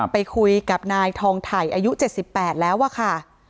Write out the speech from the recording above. ไปคุยกับนายทองไถ่อายุ๗๘แล้วอะค่ะ